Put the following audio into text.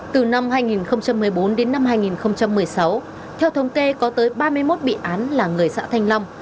từ năm hai nghìn một mươi bốn đến năm hai nghìn một mươi sáu theo thống kê có tới ba mươi một bị án là người xã thanh long